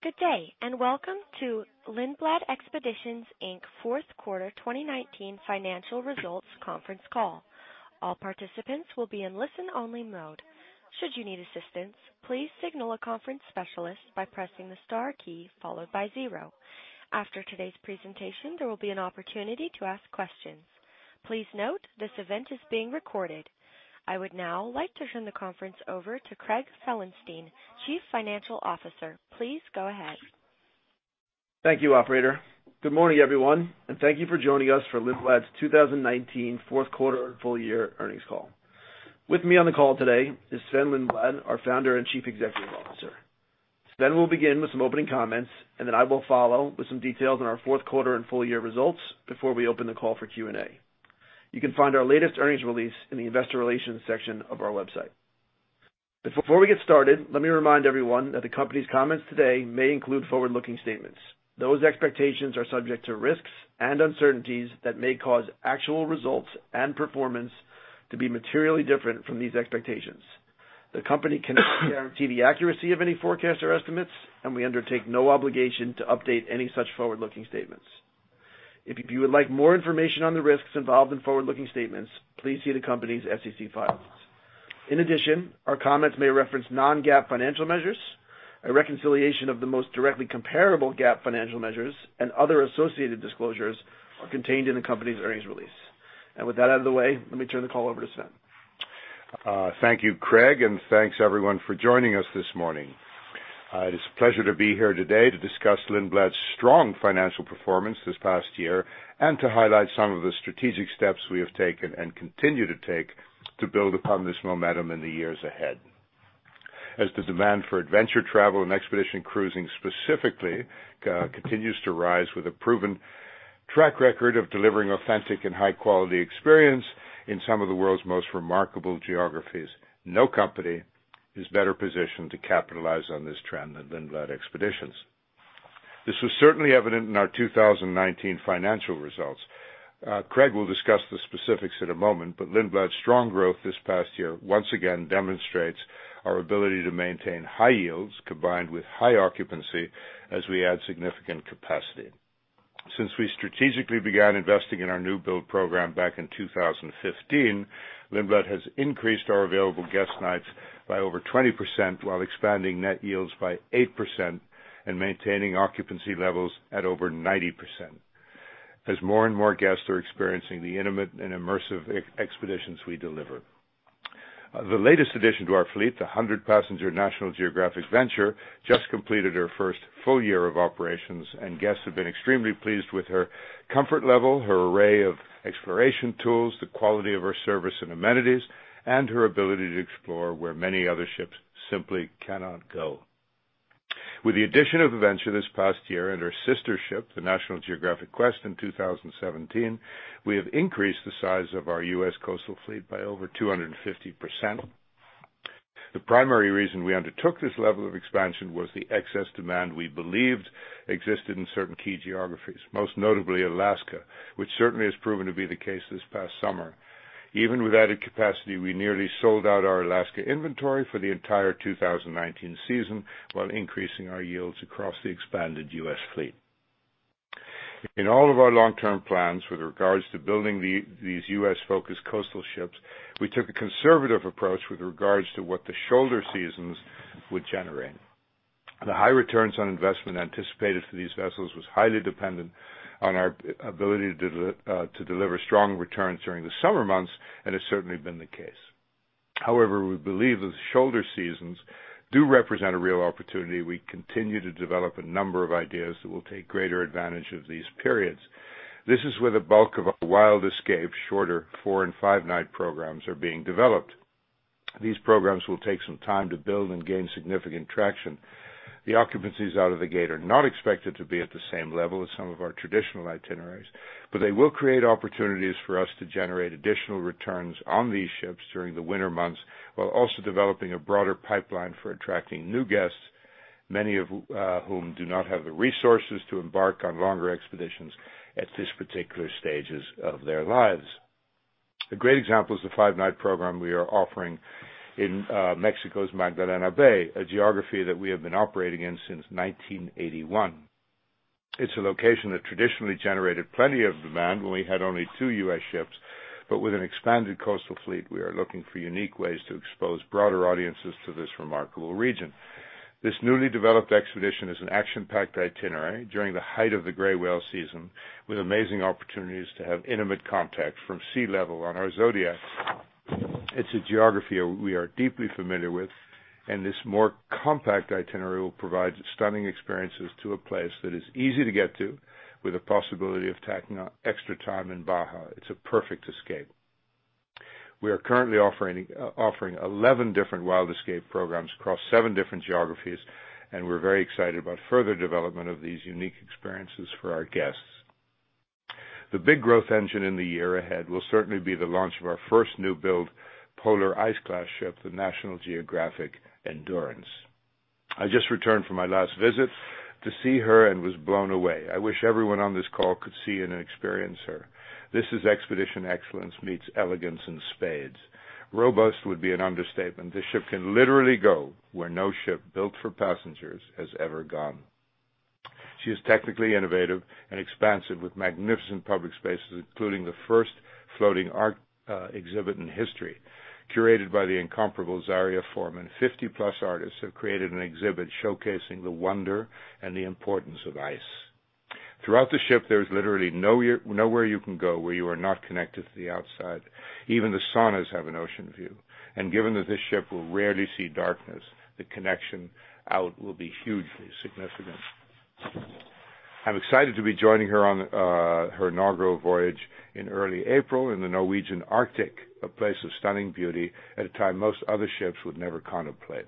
Good day, and welcome to Lindblad Expeditions, Inc. Fourth Quarter 2019 Financial Results Conference Call. All participants will be in listen only mode. Should you need assistance, please signal a conference specialist by pressing the star key followed by zero. After today's presentation, there will be an opportunity to ask questions. Please note this event is being recorded. I would now like to turn the conference over to Craig Felenstein, Chief Financial Officer. Please go ahead. Thank you, operator. Good morning, everyone, and thank you for joining us for Lindblad Expeditions' 2019 fourth quarter and full year earnings call. With me on the call today is Sven-Olof Lindblad, our Founder and Chief Executive Officer. Sven-Olof Lindblad will begin with some opening comments, then I will follow with some details on our fourth quarter and full year results before we open the call for Q&A. You can find our latest earnings release in the investor relations section of our website. Before we get started, let me remind everyone that the company's comments today may include forward-looking statements. Those expectations are subject to risks and uncertainties that may cause actual results and performance to be materially different from these expectations. The company cannot guarantee the accuracy of any forecast or estimates, and we undertake no obligation to update any such forward-looking statements. If you would like more information on the risks involved in forward-looking statements, please see the company's SEC filings. In addition, our comments may reference non-GAAP financial measures. A reconciliation of the most directly comparable GAAP financial measures and other associated disclosures are contained in the company's earnings release. With that out of the way, let me turn the call over to Sven-Olof Lindblad. Thank you, Craig Felenstein, and thanks everyone for joining us this morning. It is a pleasure to be here today to discuss Lindblad Expeditions' strong financial performance this past year and to highlight some of the strategic steps we have taken and continue to take to build upon this momentum in the years ahead. As the demand for adventure travel and expedition cruising specifically, continues to rise with a proven track record of delivering authentic and high-quality experience in some of the world's most remarkable geographies, no company is better positioned to capitalize on this trend than Lindblad Expeditions. This was certainly evident in our 2019 financial results. Craig Felenstein will discuss the specifics in a moment, but Lindblad Expeditions' strong growth this past year once again demonstrates our ability to maintain high yields combined with high occupancy as we add significant capacity. Since we strategically began investing in our new build program back in 2015, Lindblad Expeditions has increased our available guest nights by over 20% while expanding net yields by 8% and maintaining occupancy levels at over 90%, as more and more guests are experiencing the intimate and immersive expeditions we deliver. The latest addition to our fleet, the 100-passenger National Geographic Venture, just completed her first full year of operations, and guests have been extremely pleased with her comfort level, her array of exploration tools, the quality of her service and amenities, and her ability to explore where many other ships simply cannot go. With the addition of Venture this past year and her sister ship, the National Geographic Quest, in 2017, we have increased the size of our U.S. coastal fleet by over 250%. The primary reason we undertook this level of expansion was the excess demand we believed existed in certain key geographies, most notably Alaska, which certainly has proven to be the case this past summer. Even with added capacity, we nearly sold out our Alaska inventory for the entire 2019 season while increasing our yields across the expanded U.S. fleet. In all of our long-term plans with regards to building these U.S.-focused coastal ships, we took a conservative approach with regards to what the shoulder seasons would generate. The high returns on investment anticipated for these vessels was highly dependent on our ability to deliver strong returns during the summer months, and it's certainly been the case. However, we believe that the shoulder seasons do represent a real opportunity. We continue to develop a number of ideas that will take greater advantage of these periods. This is where the bulk of our Wild Escapes shorter four and five-night programs are being developed. These programs will take some time to build and gain significant traction. The occupancies out of the gate are not expected to be at the same level as some of our traditional itineraries, but they will create opportunities for us to generate additional returns on these ships during the winter months, while also developing a broader pipeline for attracting new guests, many of whom do not have the resources to embark on longer expeditions at this particular stages of their lives. A great example is the five-night program we are offering in Mexico's Magdalena Bay, a geography that we have been operating in since 1981. It's a location that traditionally generated plenty of demand when we had only two U.S. ships, but with an expanded coastal fleet, we are looking for unique ways to expose broader audiences to this remarkable region. This newly developed expedition is an action-packed itinerary during the height of the gray whale season, with amazing opportunities to have intimate contact from sea level on our Zodiacs. It's a geography we are deeply familiar with, and this more compact itinerary will provide stunning experiences to a place that is easy to get to with the possibility of tacking on extra time in Baja. It's a perfect escape. We are currently offering 11 different Wild Escapes programs across seven different geographies, and we're very excited about further development of these unique experiences for our guests. The big growth engine in the year ahead will certainly be the launch of our first new build polar ice-class ship, the National Geographic Endurance. I just returned from my last visit to see her and was blown away. I wish everyone on this call could see and experience her. This is expedition excellence meets elegance in spades. Robust would be an understatement. This ship can literally go where no ship built for passengers has ever gone. She is technically innovative and expansive with magnificent public spaces, including the first floating art exhibit in history, curated by the incomparable Zaria Forman, 50-plus artists have created an exhibit showcasing the wonder and the importance of ice. Throughout the ship, there's literally nowhere you can go where you are not connected to the outside. Even the saunas have an ocean view, and given that this ship will rarely see darkness, the connection out will be hugely significant. I'm excited to be joining her on her inaugural voyage in early April in the Norwegian Arctic, a place of stunning beauty at a time most other ships would never contemplate.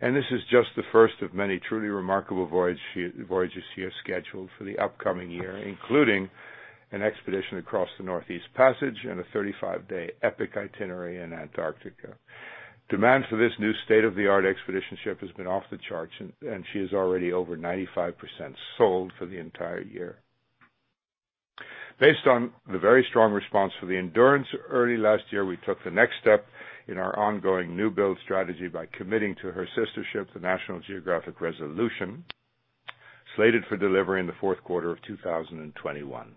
This is just the first of many truly remarkable voyages she has scheduled for the upcoming year, including an expedition across the Northeast Passage and a 35-day epic itinerary in Antarctica. Demand for this new state-of-the-art expedition ship has been off the charts, and she is already over 95% sold for the entire year. Based on the very strong response for the Endurance early last year, we took the next step in our ongoing new build strategy by committing to her sister ship, the National Geographic Resolution, slated for delivery in the fourth quarter of 2021.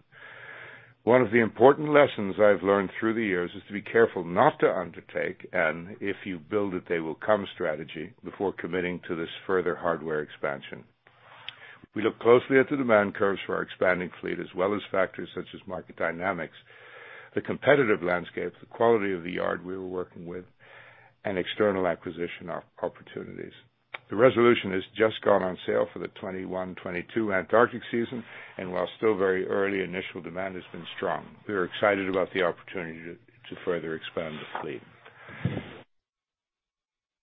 One of the important lessons I've learned through the years is to be careful not to undertake an "if you build it, they will come" strategy before committing to this further hardware expansion. We look closely at the demand curves for our expanding fleet as well as factors such as market dynamics, the competitive landscape, the quality of the yard we were working with, and external acquisition opportunities. The Resolution has just gone on sale for the 2021, 2022 Antarctic season, and while still very early, initial demand has been strong. We are excited about the opportunity to further expand the fleet.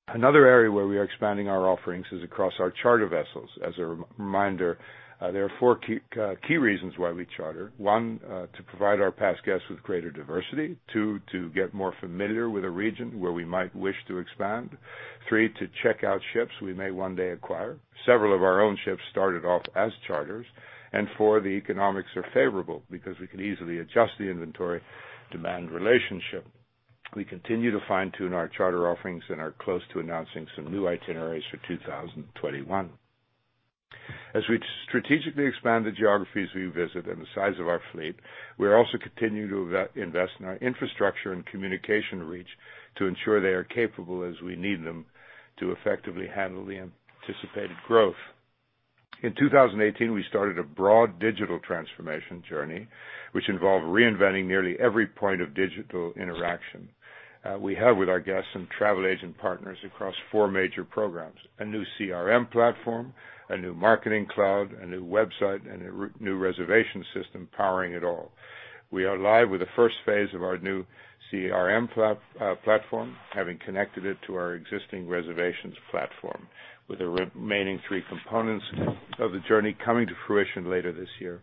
Another area where we are expanding our offerings is across our charter vessels. As a reminder, there are four key reasons why we charter. One, to provide our past guests with greater diversity. Two, to get more familiar with a region where we might wish to expand. Three, to check out ships we may one day acquire. Several of our own ships started off as charters. Four, the economics are favorable because we can easily adjust the inventory-demand relationship. We continue to fine-tune our charter offerings and are close to announcing some new itineraries for 2021. As we strategically expand the geographies we visit and the size of our fleet, we are also continuing to invest in our infrastructure and communication reach to ensure they are capable as we need them to effectively handle the anticipated growth. In 2018, we started a broad digital transformation journey, which involved reinventing nearly every point of digital interaction we have with our guests and travel agent partners across four major programs, a new CRM platform, a new marketing cloud, a new website, and a new reservation system powering it all. We are live with the first phase of our new CRM platform, having connected it to our existing reservations platform, with the remaining three components of the journey coming to fruition later this year.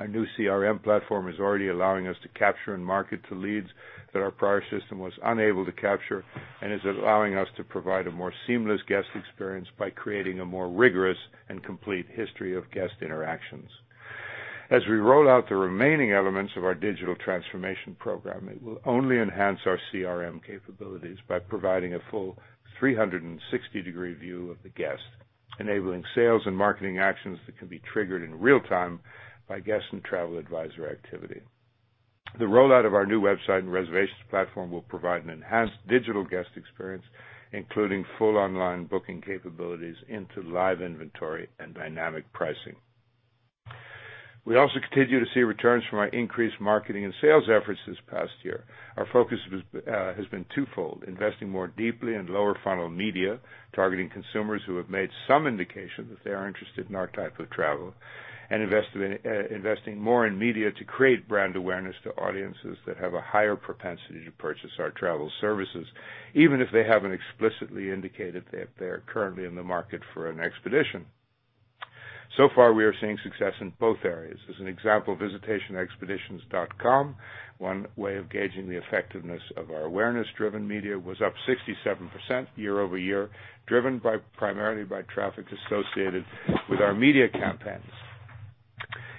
Our new CRM platform is already allowing us to capture and market to leads that our prior system was unable to capture and is allowing us to provide a more seamless guest experience by creating a more rigorous and complete history of guest interactions. As we roll out the remaining elements of our digital transformation program, it will only enhance our CRM capabilities by providing a full 360-degree view of the guest, enabling sales and marketing actions that can be triggered in real time by guests and travel advisor activity. The rollout of our new website and reservations platform will provide an enhanced digital guest experience, including full online booking capabilities into live inventory and dynamic pricing. We also continue to see returns from our increased marketing and sales efforts this past year. Our focus has been twofold, investing more deeply in lower-funnel media, targeting consumers who have made some indication that they are interested in our type of travel, and investing more in media to create brand awareness to audiences that have a higher propensity to purchase our travel services, even if they haven't explicitly indicated that they're currently in the market for an expedition. So far, we are seeing success in both areas. As an example, visitation expeditions.com, one way of gauging the effectiveness of our awareness-driven media was up 67% year-over-year, driven primarily by traffic associated with our media campaigns.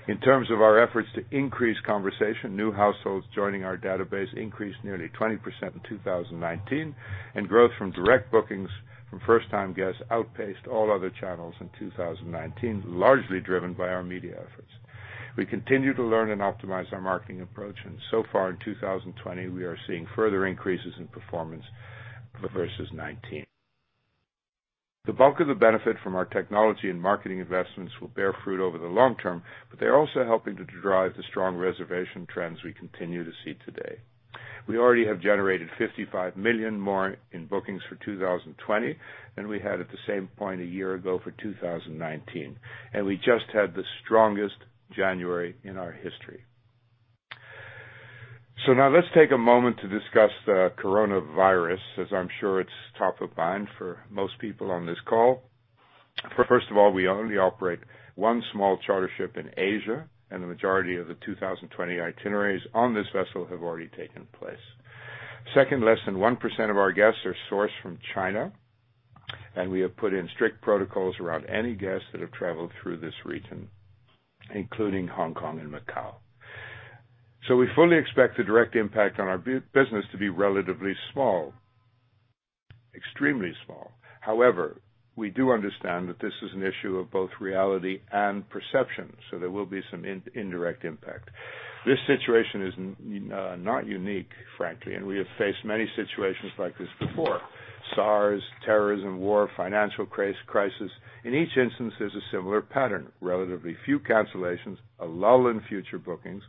In terms of our efforts to increase conversation, new households joining our database increased nearly 20% in 2019, and growth from direct bookings from first-time guests outpaced all other channels in 2019, largely driven by our media efforts. We continue to learn and optimize our marketing approach. So far in 2020, we are seeing further increases in performance versus 2019. The bulk of the benefit from our technology and marketing investments will bear fruit over the long term. They're also helping to drive the strong reservation trends we continue to see today. We already have generated $55 million more in bookings for 2020 than we had at the same point a year ago for 2019. We just had the strongest January in our history. Now let's take a moment to discuss the coronavirus, as I'm sure it's top of mind for most people on this call. First of all, we only operate one small charter ship in Asia, and the majority of the 2020 itineraries on this vessel have already taken place. Second, less than 1% of our guests are sourced from China, and we have put in strict protocols around any guests that have traveled through this region, including Hong Kong and Macau. We fully expect the direct impact on our business to be relatively small, extremely small. However, we do understand that this is an issue of both reality and perception, so there will be some indirect impact. This situation is not unique, frankly, and we have faced many situations like this before, SARS, terrorism, war, financial crisis. In each instance, there's a similar pattern. Relatively few cancellations, a lull in future bookings,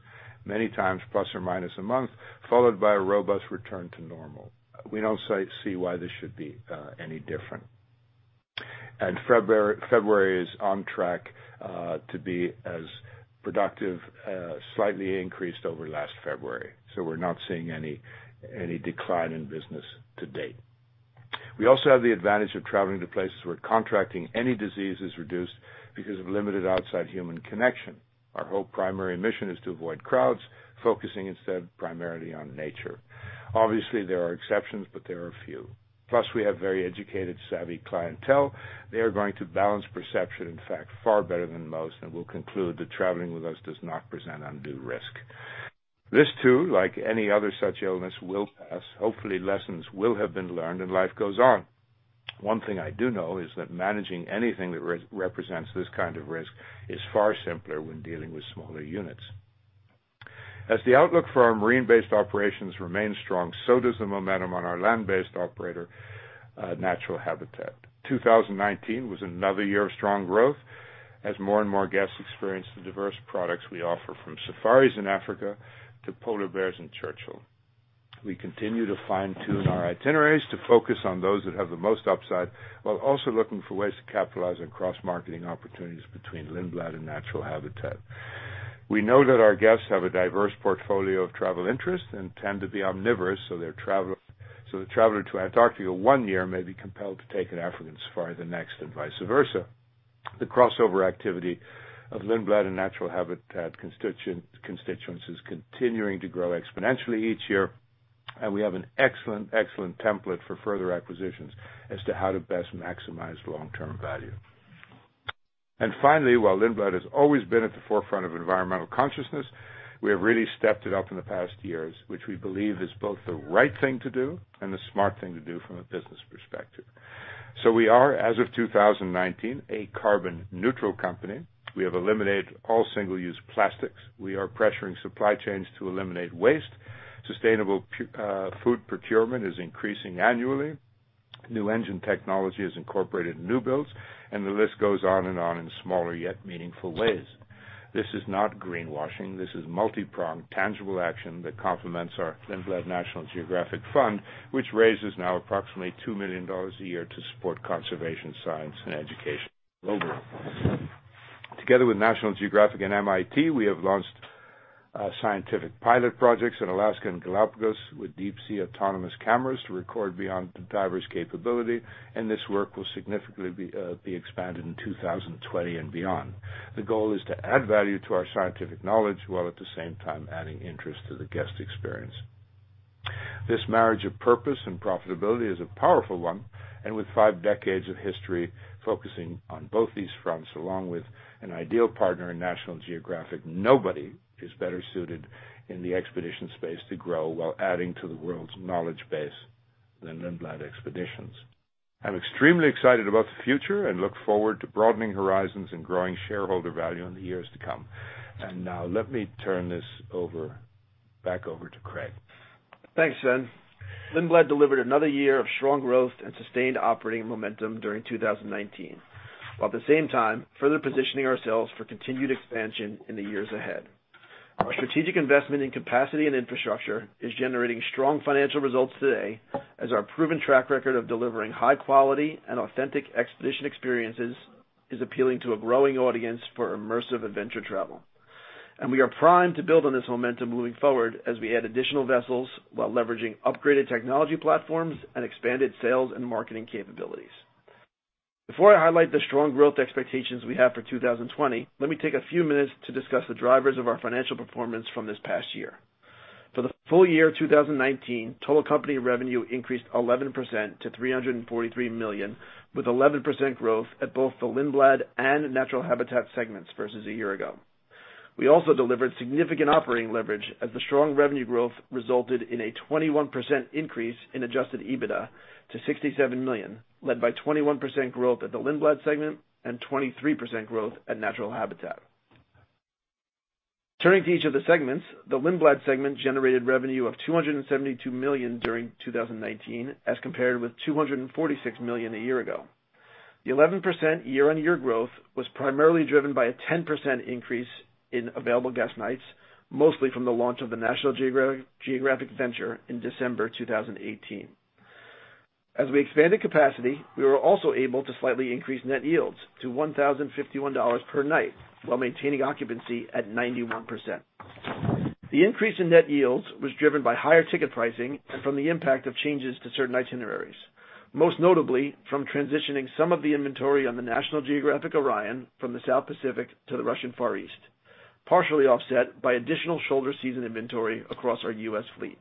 many times plus or minus a month, followed by a robust return to normal. We don't see why this should be any different. February is on track to be as productive, slightly increased over last February. We're not seeing any decline in business to date. We also have the advantage of traveling to places where contracting any disease is reduced because of limited outside human connection. Our whole primary mission is to avoid crowds, focusing instead primarily on nature. Obviously, there are exceptions, but there are few. Plus we have very educated, savvy clientele. They are going to balance perception, in fact, far better than most, and will conclude that traveling with us does not present undue risk. This too, like any other such illness, will pass. Hopefully, lessons will have been learned and life goes on. One thing I do know is managing anything that represents this kind of risk is far simpler when dealing with smaller units. As the outlook for our marine-based operations remains strong, so does the momentum on our land-based operator, Natural Habitat. 2019 was another year of strong growth as more and more guests experienced the diverse products we offer from safaris in Africa to polar bears in Churchill. We continue to fine-tune our itineraries to focus on those that have the most upside, while also looking for ways to capitalize on cross-marketing opportunities between Lindblad Expeditions and Natural Habitat. We know that our guests have a diverse portfolio of travel interests and tend to be omnivorous, so the traveler to Antarctica one year may be compelled to take an African safari the next, and vice versa. The crossover activity of Lindblad Expeditions and Natural Habitat constituents is continuing to grow exponentially each year, and we have an excellent template for further acquisitions as to how to best maximize long-term value. Finally, while Lindblad Expeditions has always been at the forefront of environmental consciousness, we have really stepped it up in the past years, which we believe is both the right thing to do and the smart thing to do from a business perspective. We are, as of 2019, a carbon neutral company. We have eliminated all single-use plastics. We are pressuring supply chains to eliminate waste. Sustainable food procurement is increasing annually. New engine technology is incorporated in new builds, and the list goes on and on in smaller, yet meaningful ways. This is not greenwashing. This is multi-pronged tangible action that complements our Lindblad National Geographic Fund, which raises now approximately $2 million a year to support conservation science and education globally. Together with National Geographic and MIT, we have launched scientific pilot projects in Alaska and Galapagos with deep sea autonomous cameras to record beyond the divers' capability, and this work will significantly be expanded in 2020 and beyond. The goal is to add value to our scientific knowledge, while at the same time adding interest to the guest experience. This marriage of purpose and profitability is a powerful one, and with five decades of history focusing on both these fronts, along with an ideal partner in National Geographic, nobody is better suited in the expedition space to grow while adding to the world's knowledge base than Lindblad Expeditions. I'm extremely excited about the future and look forward to broadening horizons and growing shareholder value in the years to come. Now let me turn this back over to Craig Felenstein. Thanks, Sven-Olof Lindblad. Lindblad Expeditions delivered another year of strong growth and sustained operating momentum during 2019, while at the same time further positioning ourselves for continued expansion in the years ahead. Our strategic investment in capacity and infrastructure is generating strong financial results today as our proven track record of delivering high quality and authentic expedition experiences is appealing to a growing audience for immersive adventure travel. We are primed to build on this momentum moving forward as we add additional vessels while leveraging upgraded technology platforms and expanded sales and marketing capabilities. Before I highlight the strong growth expectations we have for 2020, let me take a few minutes to discuss the drivers of our financial performance from this past year. For the full year 2019, total company revenue increased 11% to $343 million, with 11% growth at both the Lindblad Expeditions and Natural Habitat segments versus a year ago. We also delivered significant operating leverage as the strong revenue growth resulted in a 21% increase in Adjusted EBITDA to $67 million, led by 21% growth at the Lindblad Expeditions segment and 23% growth at Natural Habitat. Turning to each of the segments, the Lindblad Expeditions segment generated revenue of $272 million during 2019 as compared with $246 million a year ago. The 11% year-on-year growth was primarily driven by a 10% increase in available guest nights, mostly from the launch of the National Geographic Venture in December 2018. As we expanded capacity, we were also able to slightly increase net yields to $1,051 per night while maintaining occupancy at 91%. The increase in net yields was driven by higher ticket pricing and from the impact of changes to certain itineraries. Most notably, from transitioning some of the inventory on the National Geographic Orion from the South Pacific to the Russian Far East. Partially offset by additional shoulder season inventory across our U.S. fleet.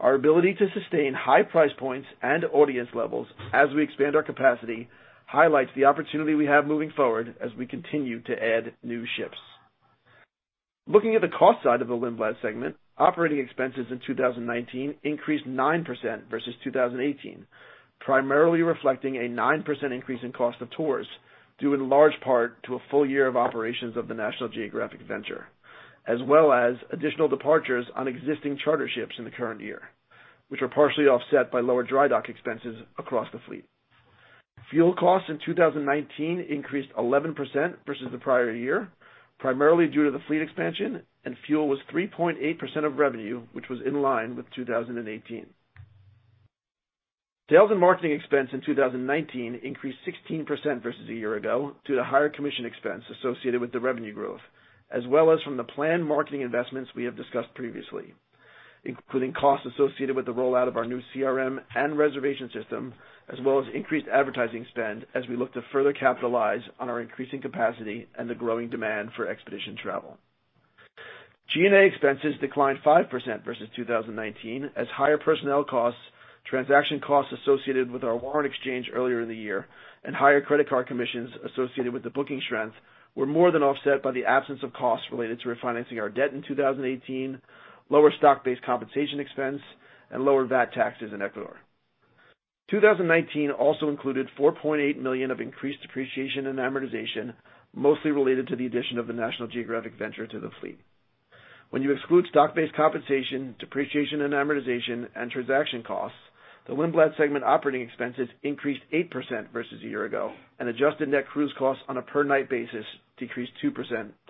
Our ability to sustain high price points and audience levels as we expand our capacity highlights the opportunity we have moving forward as we continue to add new ships. Looking at the cost side of the Lindblad Expeditions segment, operating expenses in 2019 increased 9% versus 2018, primarily reflecting a 9% increase in cost of tours, due in large part to a full year of operations of the National Geographic Venture, as well as additional departures on existing charter ships in the current year, which were partially offset by lower dry dock expenses across the fleet. Fuel costs in 2019 increased 11% versus the prior year, primarily due to the fleet expansion, and fuel was 3.8% of revenue, which was in line with 2018. Sales and marketing expense in 2019 increased 16% versus a year ago due to higher commission expense associated with the revenue growth, as well as from the planned marketing investments we have discussed previously, including costs associated with the rollout of our new CRM and reservation system, as well as increased advertising spend as we look to further capitalize on our increasing capacity and the growing demand for expedition travel. G&A expenses declined 5% versus 2019 as higher personnel costs, transaction costs associated with our warrant exchange earlier in the year, and higher credit card commissions associated with the booking strength were more than offset by the absence of costs related to refinancing our debt in 2018, lower stock-based compensation expense, and lower VAT taxes in Ecuador. 2019 also included $4.8 million of increased depreciation and amortization, mostly related to the addition of the National Geographic Venture to the fleet. When you exclude stock-based compensation, depreciation and amortization, and transaction costs, the Lindblad Expeditions segment operating expenses increased 8% versus a year ago, and adjusted net cruise costs on a per-night basis decreased 2%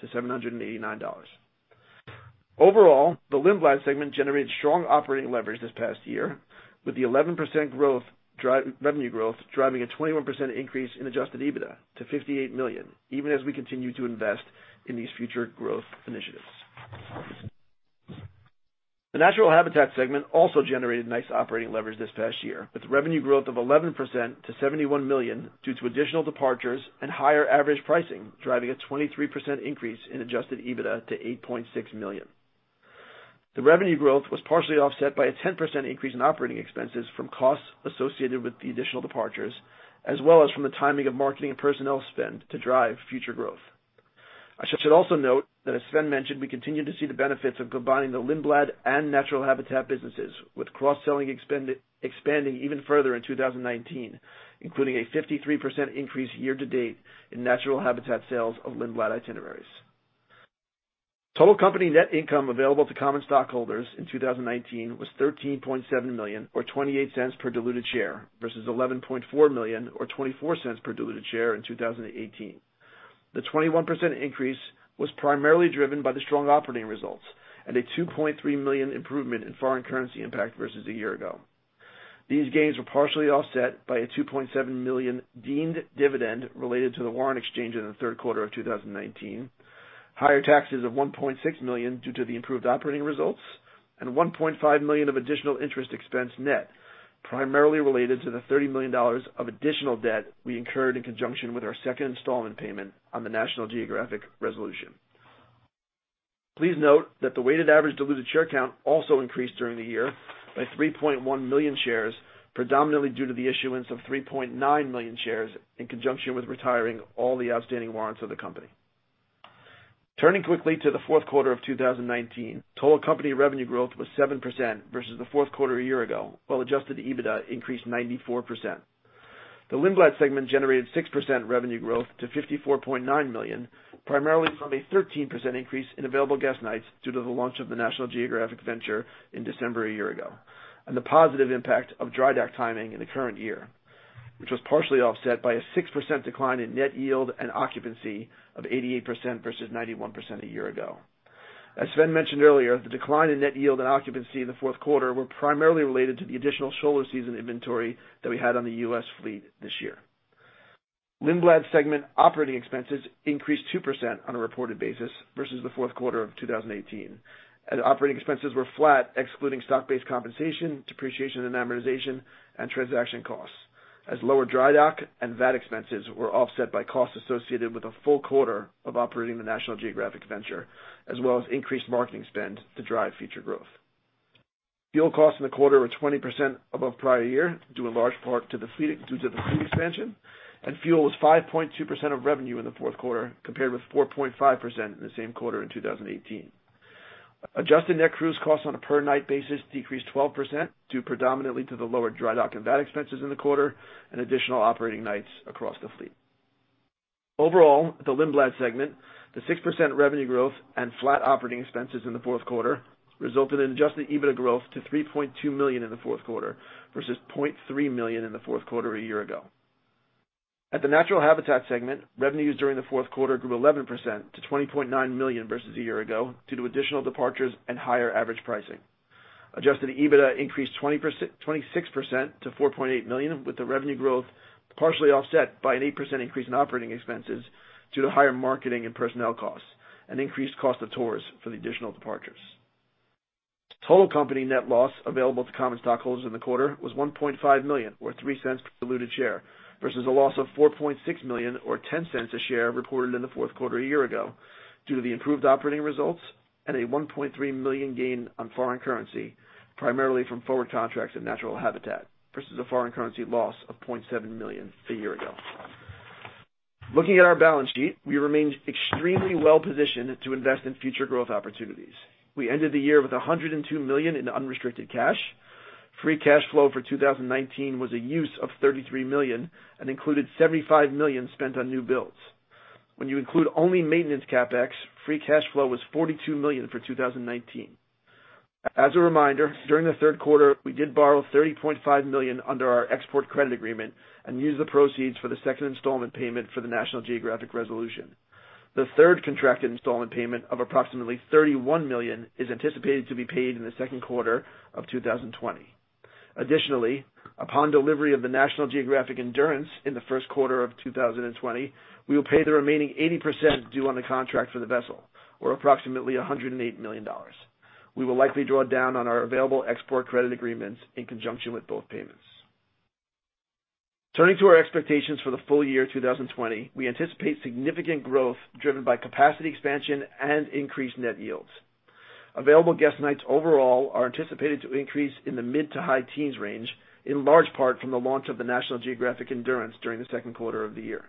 to $789. Overall, the Lindblad segment generated strong operating leverage this past year with the 11% revenue growth driving a 21% increase in Adjusted EBITDA to $58 million, even as we continue to invest in these future growth initiatives. The Natural Habitat segment also generated nice operating leverage this past year, with revenue growth of 11% to $71 million due to additional departures and higher average pricing, driving a 23% increase in Adjusted EBITDA to $8.6 million. The revenue growth was partially offset by a 10% increase in operating expenses from costs associated with the additional departures, as well as from the timing of marketing and personnel spend to drive future growth. I should also note that as Sven-Olof Lindblad mentioned, we continue to see the benefits of combining the Lindblad Expeditions and Natural Habitat businesses with cross-selling expanding even further in 2019, including a 53% increase year-to-date in Natural Habitat sales of Lindblad Expeditions itineraries. Total company net income available to common stockholders in 2019 was $13.7 million or $0.28 per diluted share, versus $11.4 million or $0.24 per diluted share in 2018. The 21% increase was primarily driven by the strong operating results and a $2.3 million improvement in foreign currency impact versus a year ago. These gains were partially offset by a $2.7 million deemed dividend related to the warrant exchange in the third quarter of 2019, higher taxes of $1.6 million due to the improved operating results, and $1.5 million of additional interest expense net, primarily related to the $30 million of additional debt we incurred in conjunction with our second installment payment on the National Geographic Resolution. Please note that the weighted average diluted share count also increased during the year by 3.1 million shares, predominantly due to the issuance of 3.9 million shares in conjunction with retiring all the outstanding warrants of the company. Turning quickly to the fourth quarter of 2019, total company revenue growth was 7% versus the fourth quarter a year ago, while Adjusted EBITDA increased 94%. The Lindblad Expeditions segment generated 6% revenue growth to $54.9 million, primarily from a 13% increase in available guest nights due to the launch of the National Geographic Venture in December a year ago, and the positive impact of dry dock timing in the current year, which was partially offset by a 6% decline in net yield and occupancy of 88% versus 91% a year ago. As Sven-Olof Lindblad mentioned earlier, the decline in net yield and occupancy in the fourth quarter were primarily related to the additional shoulder season inventory that we had on the U.S. fleet this year. Lindblad segment operating expenses increased 2% on a reported basis versus the fourth quarter of 2018, and operating expenses were flat, excluding stock-based compensation, depreciation and amortization, and transaction costs, as lower dry dock and VAT expenses were offset by costs associated with a full quarter of operating the National Geographic Venture, as well as increased marketing spend to drive future growth. Fuel costs in the quarter were 20% above prior year, due in large part to the fleet expansion, and fuel was 5.2% of revenue in the fourth quarter, compared with 4.5% in the same quarter in 2018. adjusted net cruise costs on a per-night basis decreased 12%, due predominantly to the lower dry dock and VAT expenses in the quarter and additional operating nights across the fleet. Overall, the Lindblad Expeditions segment, the 6% revenue growth and flat operating expenses in the fourth quarter resulted in Adjusted EBITDA growth to $3.2 million in the fourth quarter versus $0.3 million in the fourth quarter a year ago. At the Natural Habitat segment, revenues during the fourth quarter grew 11% to $20.9 million versus a year ago due to additional departures and higher average pricing. Adjusted EBITDA increased 26% to $4.8 million, with the revenue growth partially offset by an 8% increase in operating expenses due to higher marketing and personnel costs and increased cost of tours for the additional departures. Total company net loss available to common stockholders in the quarter was $1.5 million, or $0.03 per diluted share, versus a loss of $4.6 million or $0.10 a share reported in the fourth quarter a year ago, due to the improved operating results and a $1.3 million gain on foreign currency, primarily from forward contracts in Natural Habitat, versus a foreign currency loss of $0.7 million a year ago. Looking at our balance sheet, we remain extremely well-positioned to invest in future growth opportunities. We ended the year with $102 million in unrestricted cash. Free cash flow for 2019 was a use of $33 million and included $75 million spent on new builds. When you include only maintenance CapEx, free cash flow was $42 million for 2019. As a reminder, during the third quarter, we did borrow $30.5 million under our export credit agreement and used the proceeds for the second installment payment for the National Geographic Resolution. The third contracted installment payment of approximately $31 million is anticipated to be paid in the second quarter of 2020. Additionally, upon delivery of the National Geographic Endurance in the first quarter of 2020, we will pay the remaining 80% due on the contract for the vessel, or approximately $108 million. We will likely draw down on our available export credit agreements in conjunction with both payments. Turning to our expectations for the full year 2020, we anticipate significant growth driven by capacity expansion and increased net yields. Available guest nights overall are anticipated to increase in the mid to high teens range, in large part from the launch of the National Geographic Endurance during the second quarter of the year.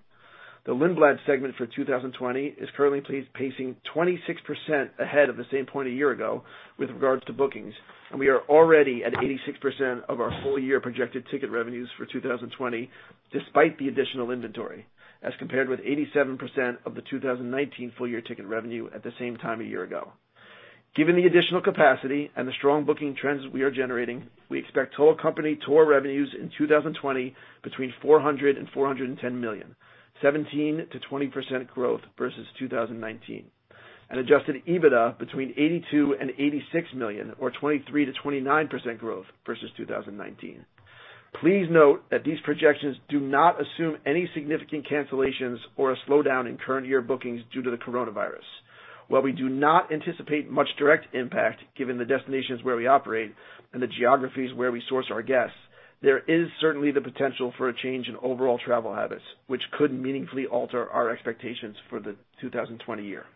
The Lindblad Expeditions segment for 2020 is currently pacing 26% ahead of the same point a year ago with regards to bookings, and we are already at 86% of our full-year projected ticket revenues for 2020, despite the additional inventory, as compared with 87% of the 2019 full-year ticket revenue at the same time a year ago. Given the additional capacity and the strong booking trends we are generating, we expect total company tour revenues in 2020 between $400 million and $410 million, 17%-20% growth versus 2019, and Adjusted EBITDA between $82 million and $86 million, or 23%-29% growth versus 2019. Please note that these projections do not assume any significant cancellations or a slowdown in current year bookings due to the coronavirus. While we do not anticipate much direct impact, given the destinations where we operate and the geographies where we source our guests, there is certainly the potential for a change in overall travel habits, which could meaningfully alter our expectations for the 2020 year.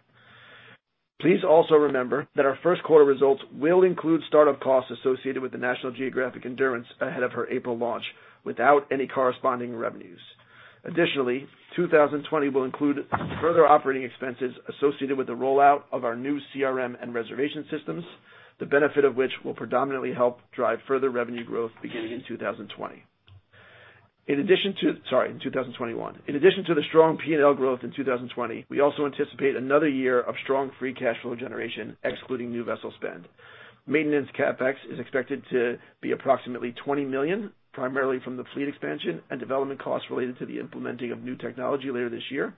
Please also remember that our first quarter results will include startup costs associated with the National Geographic Endurance ahead of her April launch, without any corresponding revenues. Additionally, 2020 will include further operating expenses associated with the rollout of our new CRM and reservation systems, the benefit of which will predominantly help drive further revenue growth beginning in 2021. In addition to the strong P&L growth in 2020, we also anticipate another year of strong free cash flow generation, excluding new vessel spend. Maintenance CapEx is expected to be approximately $20 million, primarily from the fleet expansion and development costs related to the implementing of new technology later this year.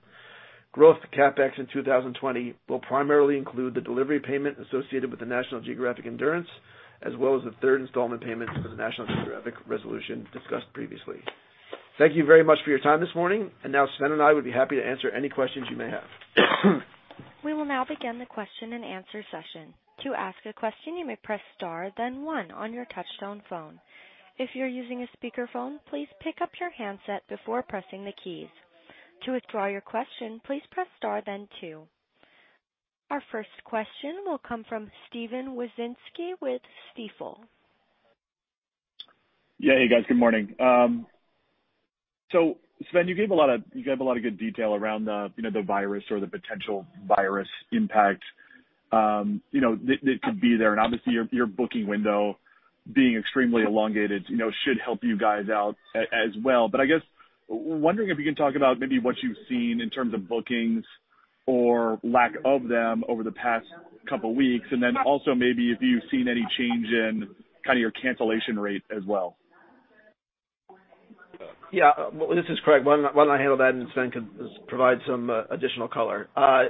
Growth CapEx in 2020 will primarily include the delivery payment associated with the National Geographic Endurance, as well as the third installment payment for the National Geographic Resolution discussed previously. Thank you very much for your time this morning, and now Sven-Olof Lindblad and I would be happy to answer any questions you may have. We will now begin the question and answer session. To ask a question, you may press star then one on your touchtone phone. If you're using a speakerphone, please pick up your handset before pressing the keys. To withdraw your question, please press star then two. Our first question will come from Steven Wieczynski with Stifel. Yeah. Hey, guys. Good morning. Sven-Olof Lindblad, you gave a lot of good detail around the virus or the potential virus impact that could be there, and obviously your booking window being extremely elongated should help you guys out as well. I guess, wondering if you can talk about maybe what you've seen in terms of bookings or lack of them over the past couple weeks, and then also maybe if you've seen any change in kind of your cancellation rate as well? This is Craig Felenstein. Why don't I handle that and Sven-Olof Lindblad can provide some additional color. As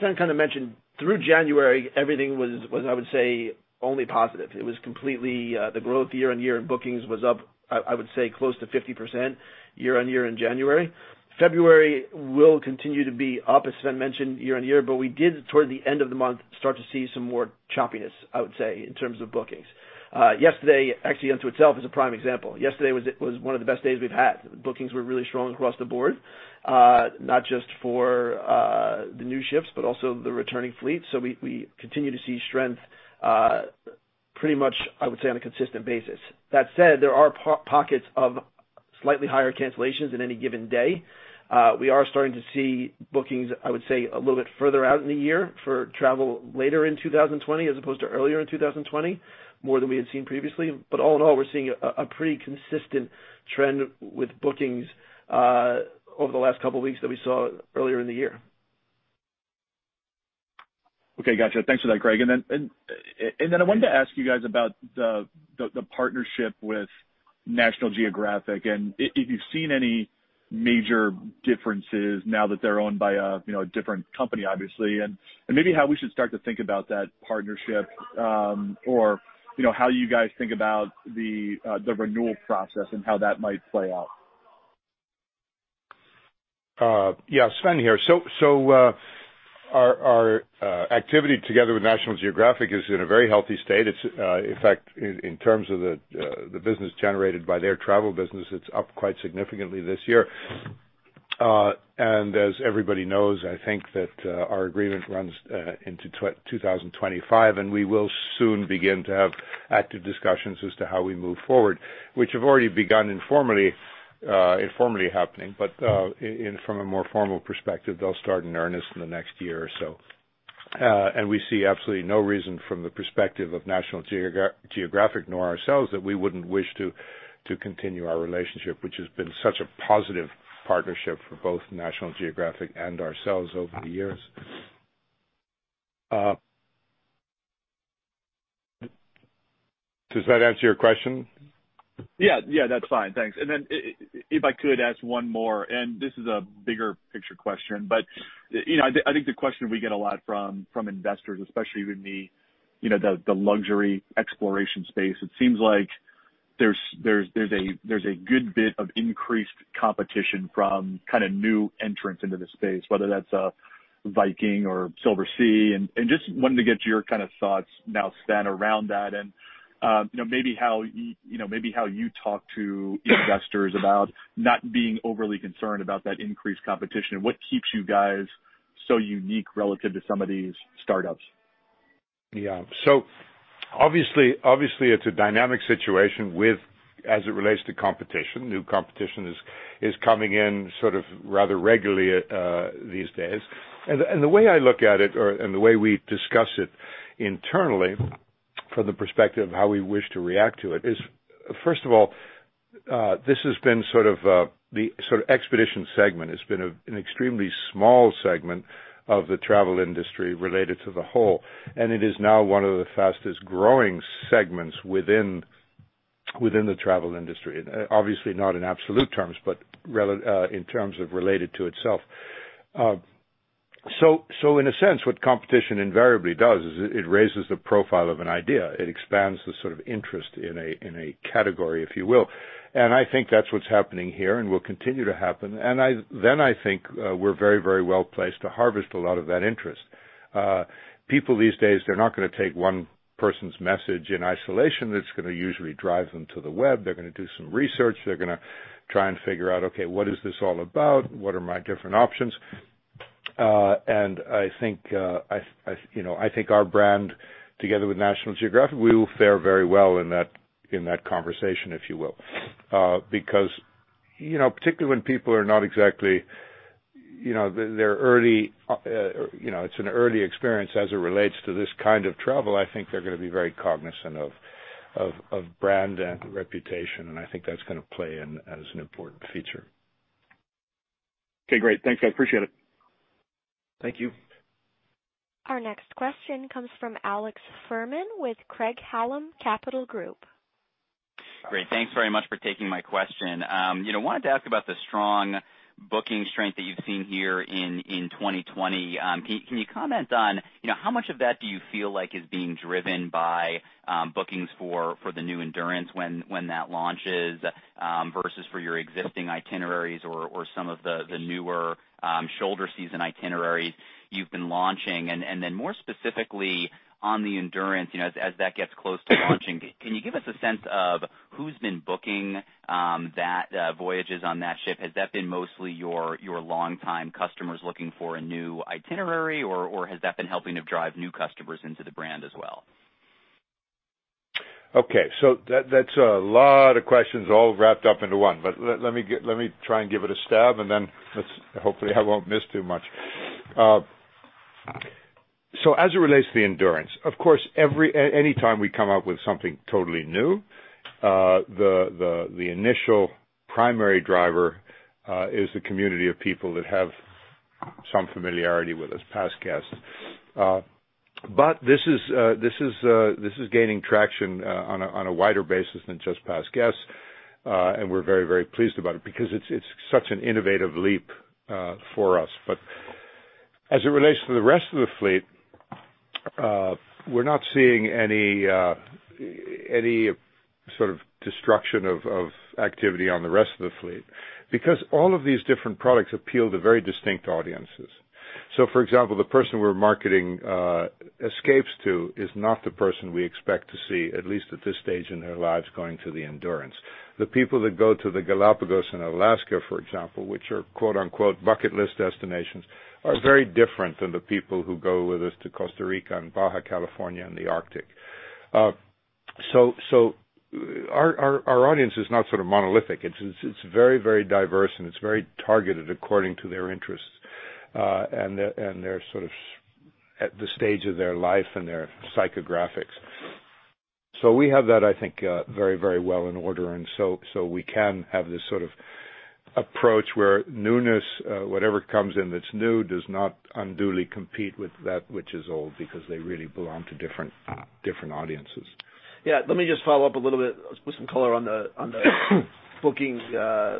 Sven-Olof Lindblad mentioned, through January, everything was, I would say, only positive. The growth year-on-year in bookings was up, I would say, close to 50% year-on-year in January. February will continue to be up, as Sven-Olof Lindblad mentioned, year-on-year. We did, toward the end of the month, start to see some more choppiness, I would say, in terms of bookings. Yesterday actually unto itself is a prime example. Yesterday was one of the best days we've had. Bookings were really strong across the board, not just for the new ships, but also the returning fleet. We continue to see strength pretty much, I would say, on a consistent basis. That said, there are pockets of slightly higher cancellations in any given day. We are starting to see bookings, I would say, a little bit further out in the year for travel later in 2020 as opposed to earlier in 2020, more than we had seen previously. All in all, we're seeing a pretty consistent trend with bookings over the last couple weeks that we saw earlier in the year. Okay. Got you. Thanks for that, Craig Felenstein. I wanted to ask you guys about the partnership with National Geographic, and if you've seen any major differences now that they're owned by a different company, obviously, and maybe how we should start to think about that partnership, or how you guys think about the renewal process and how that might play out. Yeah. Sven-Olof Lindblad here. Our activity together with National Geographic is in a very healthy state. In fact, in terms of the business generated by their travel business, it's up quite significantly this year. As everybody knows, I think that our agreement runs into 2025, and we will soon begin to have active discussions as to how we move forward, which have already begun informally happening. From a more formal perspective, they'll start in earnest in the next year or so. We see absolutely no reason from the perspective of National Geographic nor ourselves that we wouldn't wish to continue our relationship, which has been such a positive partnership for both National Geographic and ourselves over the years. Does that answer your question? Yeah. That's fine. Thanks. If I could ask one more, and this is a bigger picture question, but I think the question we get a lot from investors, especially in the luxury exploration space, it seems like there's a good bit of increased competition from kind of new entrants into the space, whether that's Viking or Silversea. Just wanted to get your kind of thoughts now, Sven-Olof Lindblad, around that and maybe how you talk to investors about not being overly concerned about that increased competition and what keeps you guys so unique relative to some of these startups. Yeah. Obviously, it's a dynamic situation as it relates to competition. New competition is coming in sort of rather regularly these days. The way I look at it, and the way we discuss it internally from the perspective of how we wish to react to it is, first of all, the expedition segment has been an extremely small segment of the travel industry related to the whole, and it is now one of the fastest-growing segments within the travel industry. Obviously, not in absolute terms, but in terms of related to itself. In a sense, what competition invariably does is it raises the profile of an idea. It expands the sort of interest in a category, if you will. I think that's what's happening here and will continue to happen. I think we're very well-placed to harvest a lot of that interest. People these days, they're not going to take one person's message in isolation. That's going to usually drive them to the web. They're going to do some research. They're going to try and figure out, okay, what is this all about? What are my different options? I think our brand, together with National Geographic, we will fare very well in that conversation, if you will. Because particularly when people are not exactly, it's an early experience as it relates to this kind of travel, I think they're going to be very cognizant of brand and reputation, and I think that's going to play in as an important feature. Okay, great. Thanks. I appreciate it. Thank you. Our next question comes from Alex Fuhrman with Craig-Hallum Capital Group. Great. Thanks very much for taking my question. I wanted to ask about the strong booking strength that you've seen here in 2020. Can you comment on how much of that do you feel like is being driven by bookings for the new Endurance when that launches, versus for your existing itineraries or some of the newer shoulder season itineraries you've been launching? More specifically on the Endurance, as that gets close to launching, can you give us a sense of who's been booking voyages on that ship? Has that been mostly your longtime customers looking for a new itinerary, or has that been helping to drive new customers into the brand as well? Okay, that's a lot of questions all wrapped up into one, but let me try and give it a stab, and then hopefully I won't miss too much. As it relates to the Endurance, of course, anytime we come out with something totally new, the initial primary driver is the community of people that have some familiarity with us, past guests. This is gaining traction on a wider basis than just past guests. We're very pleased about it because it's such an innovative leap for us. As it relates to the rest of the fleet, we're not seeing any sort of disruption of activity on the rest of the fleet because all of these different products appeal to very distinct audiences. For example, the person we're marketing Escapes to is not the person we expect to see, at least at this stage in their lives, going to the Endurance. The people that go to the Galapagos and Alaska, for example, which are quote unquote "bucket list destinations," are very different than the people who go with us to Costa Rica and Baja California and the Arctic. Our audience is not sort of monolithic. It's very diverse, and it's very targeted according to their interests, and they're sort of at the stage of their life and their psychographics. We have that, I think, very well in order, and so we can have this sort of approach where newness, whatever comes in that's new, does not unduly compete with that which is old because they really belong to different audiences. Let me just follow up a little bit. Let's put some color on the booking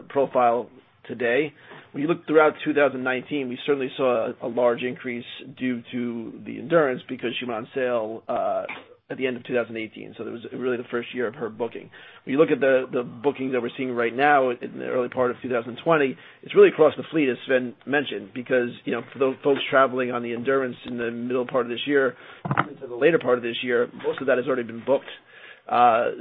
profile today. When you look throughout 2019, we certainly saw a large increase due to the Endurance because she went on sale at the end of 2018, so that was really the first year of her booking. When you look at the bookings that we're seeing right now in the early part of 2020, it's really across the fleet, as Sven-Olof Lindblad mentioned, because for the folks traveling on the Endurance, in the middle part of this year and into the later part of this year, most of that has already been booked.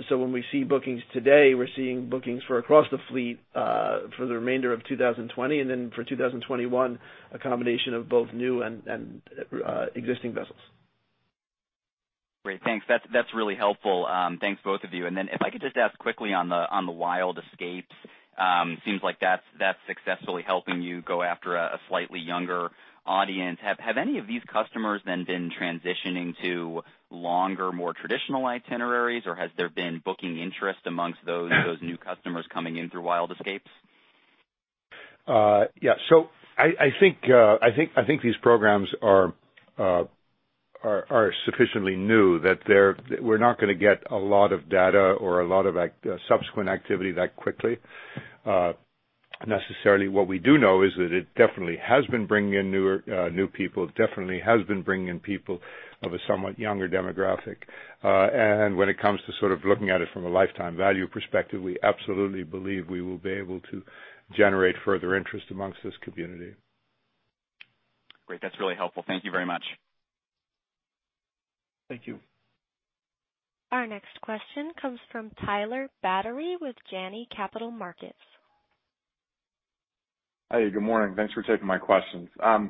When we see bookings today, we're seeing bookings for across the fleet for the remainder of 2020, and then for 2021, a combination of both new and existing vessels. Great. Thanks. That's really helpful. Thanks both of you. If I could just ask quickly on the Wild Escapes, seems like that's successfully helping you go after a slightly younger audience. Have any of these customers then been transitioning to longer, more traditional itineraries, or has there been booking interest amongst those new customers coming in through Wild Escapes? Yeah. I think these programs are sufficiently new that we're not going to get a lot of data or a lot of subsequent activity that quickly necessarily. What we do know is that it definitely has been bringing in new people. It definitely has been bringing in people of a somewhat younger demographic. When it comes to sort of looking at it from a lifetime value perspective, we absolutely believe we will be able to generate further interest amongst this community. Great. That's really helpful. Thank you very much. Thank you. Our next question comes from Tyler Batory with Janney Montgomery Scott. Hi, good morning. Thanks for taking my questions. I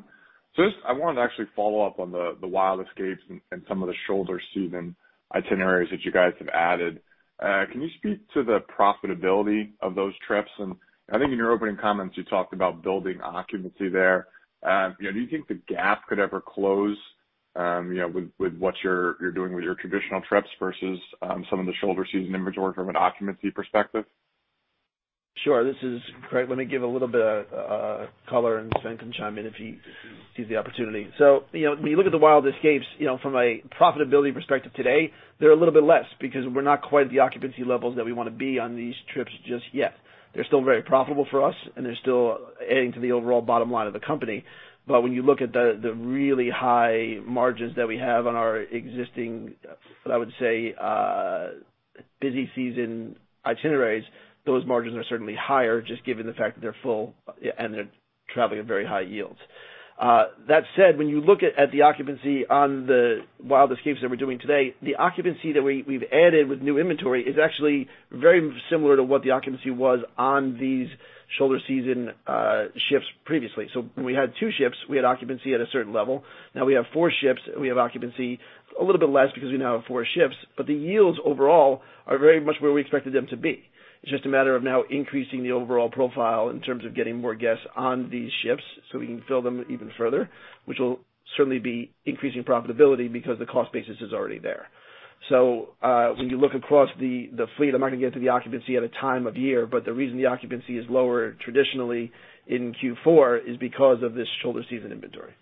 wanted to actually follow up on the Wild Escapes and some of the shoulder season itineraries that you guys have added. Can you speak to the profitability of those trips? I think in your opening comments, you talked about building occupancy there. Do you think the gap could ever close with what you're doing with your traditional trips versus some of the shoulder season inventory from an occupancy perspective? Sure. This is Craig Felenstein. Let me give a little bit of color, and Sven-Olof Lindblad can chime in if he sees the opportunity. When you look at the Wild Escapes, from a profitability perspective today, they're a little bit less because we're not quite at the occupancy levels that we want to be on these trips just yet. They're still very profitable for us, and they're still adding to the overall bottom line of the company. When you look at the really high margins that we have on our existing, what I would say, busy season itineraries, those margins are certainly higher just given the fact that they're full and they're traveling at very high yields. That said, when you look at the occupancy on the Wild Escapes that we're doing today, the occupancy that we've added with new inventory is actually very similar to what the occupancy was on these shoulder season ships previously. When we had two ships, we had occupancy at a certain level. Now we have four ships, and we have occupancy a little bit less because we now have four ships, but the yields overall are very much where we expected them to be. It's just a matter of now increasing the overall profile in terms of getting more guests on these ships so we can fill them even further, which will certainly be increasing profitability because the cost basis is already there. When you look across the fleet, I'm not going to get to the occupancy at a time of year, but the reason the occupancy is lower traditionally in Q4 is because of this shoulder season inventory.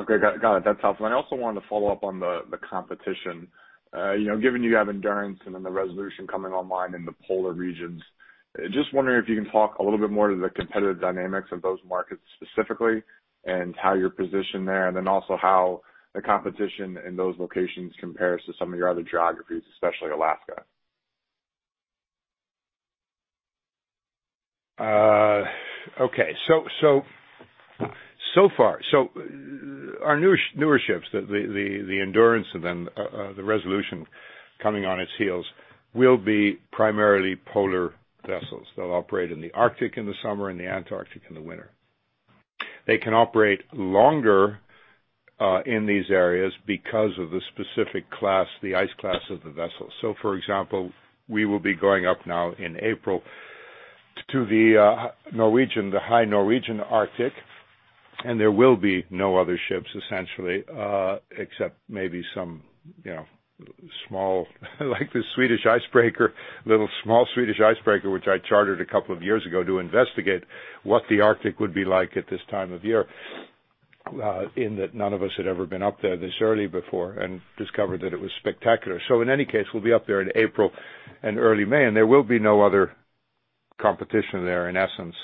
Okay. Got it. That's helpful. I also wanted to follow up on the competition. Given you have Endurance and then the Resolution coming online in the polar regions, just wondering if you can talk a little bit more to the competitive dynamics of those markets specifically and how you're positioned there, and then also how the competition in those locations compares to some of your other geographies, especially Alaska. So far, our newer ships, the Endurance and then the Resolution coming on its heels, will be primarily polar vessels. They'll operate in the Arctic in the summer and the Antarctic in the winter. They can operate longer in these areas because of the specific class, the ice class of the vessel. For example, we will be going up now in April to the high Norwegian Arctic, and there will be no other ships essentially except maybe some small like the Swedish icebreaker, little small Swedish icebreaker, which I chartered a couple of years ago to investigate what the Arctic would be like at this time of year, in that none of us had ever been up there this early before and discovered that it was spectacular. In any case, we'll be up there in April and early May, and there will be no other competition there in essence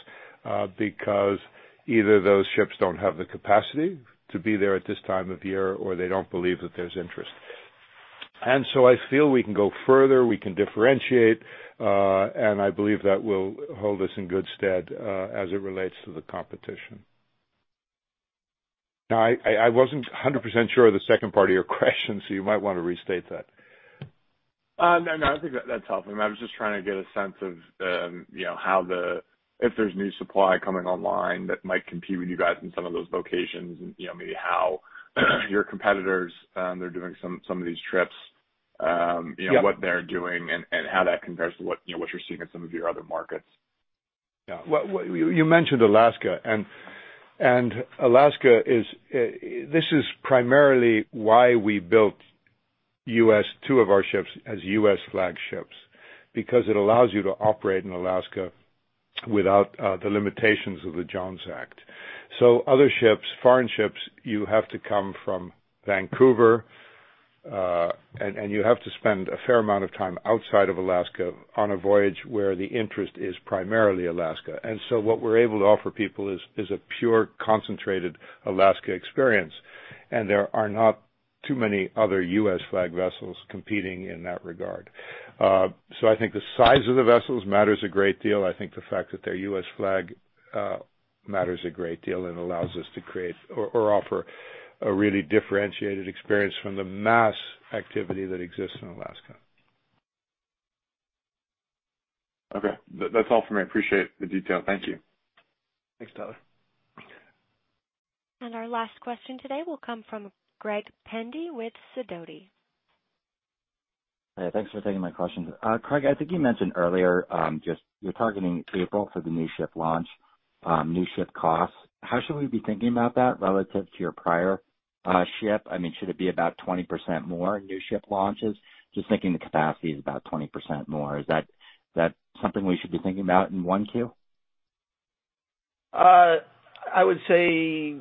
because either those ships don't have the capacity to be there at this time of year, or they don't believe that there's interest. I feel we can go further, we can differentiate, and I believe that will hold us in good stead, as it relates to the competition. Now, I wasn't 100% sure of the second part of your question. You might want to restate that. No, I think that's helpful. I was just trying to get a sense of if there's new supply coming online that might compete with you guys in some of those locations and maybe how your competitors, they're doing some of these trips. Yeah. What they're doing and how that compares to what you're seeing in some of your other markets. Well, you mentioned Alaska, and Alaska is -- this is primarily why we built two of our ships as U.S. flagships because it allows you to operate in Alaska without the limitations of the Jones Act. Other ships, foreign ships, you have to come from Vancouver, and you have to spend a fair amount of time outside of Alaska on a voyage where the interest is primarily Alaska. What we're able to offer people is a pure, concentrated Alaska experience, and there are not too many other U.S. flag vessels competing in that regard. I think the size of the vessels matters a great deal. I think the fact that they're U.S. flag matters a great deal and allows us to create or offer a really differentiated experience from the mass activity that exists in Alaska. Okay. That's all for me. I appreciate the detail. Thank you. Thanks, Tyler. Our last question today will come from Greg Pendy with Sidoti. Hey, thanks for taking my questions. Craig Felenstein, I think you mentioned earlier, just you're targeting April for the new ship launch, new ship costs. How should we be thinking about that relative to your prior ship? Should it be about 20% more new ship launches? Just thinking the capacity is about 20% more. Is that something we should be thinking about in 1Q? I would say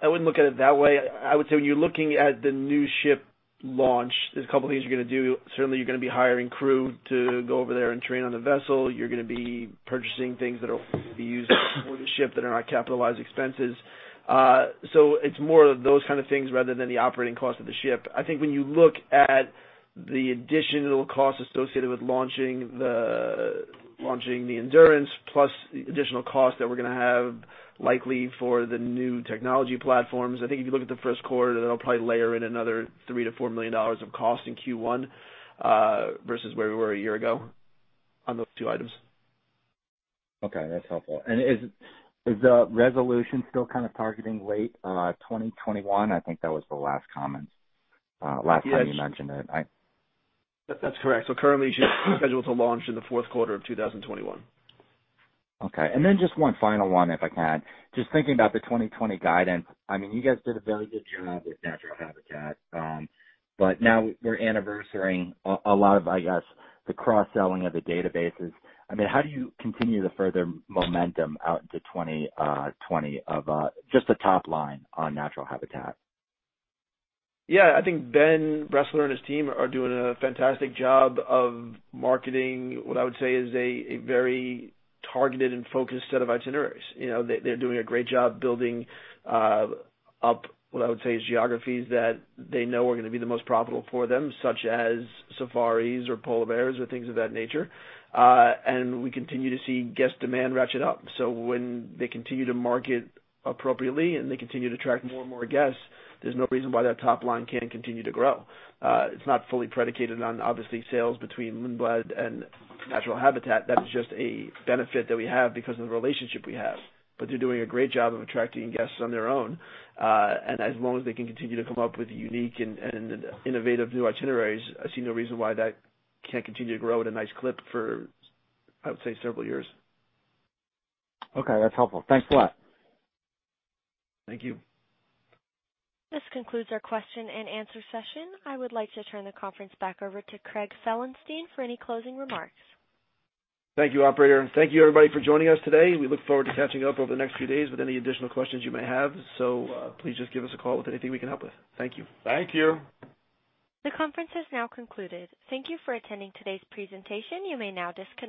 I wouldn't look at it that way. I would say when you're looking at the new ship launch, there's a couple of things you're going to do. Certainly, you're going to be hiring crew to go over there and train on the vessel. You're going to be purchasing things that will be used for the ship that are not capitalized expenses. It's more of those kind of things rather than the operating cost of the ship. I think when you look at the additional costs associated with launching the Endurance, plus the additional costs that we're going to have likely for the new technology platforms. I think if you look at the first quarter, that'll probably layer in another $3 million-$4 million of cost in Q1 versus where we were a year ago on those two items. Okay, that's helpful. Is the Resolution still kind of targeting late 2021? I think that was the last comment, last time you mentioned it. That's correct. Currently, it's scheduled to launch in the fourth quarter of 2021. Okay. Just one final one, if I can. Just thinking about the 2020 guidance. You guys did a very good job with Natural Habitat. Now we're anniversarying a lot of, I guess, the cross-selling of the databases. How do you continue the further momentum out into 2020 of just the top line on Natural Habitat? Yeah, I think Ben Bressler and his team are doing a fantastic job of marketing what I would say is a very targeted and focused set of itineraries. They're doing a great job building up what I would say is geographies that they know are going to be the most profitable for them, such as safaris or polar bears or things of that nature. We continue to see guest demand ratchet up. When they continue to market appropriately and they continue to attract more and more guests, there's no reason why that top line can't continue to grow. It's not fully predicated on, obviously, sales between Lindblad Expeditions and Natural Habitat. That is just a benefit that we have because of the relationship we have, but they're doing a great job of attracting guests on their own. As long as they can continue to come up with unique and innovative new itineraries, I see no reason why that can't continue to grow at a nice clip for, I would say, several years. Okay, that's helpful. Thanks a lot. Thank you. This concludes our question and answer session. I would like to turn the conference back over to Craig Felenstein for any closing remarks. Thank you, operator, thank you everybody for joining us today. We look forward to catching up over the next few days with any additional questions you may have. Please just give us a call with anything we can help with. Thank you. Thank you. The conference has now concluded. Thank you for attending today's presentation. You may now disconnect.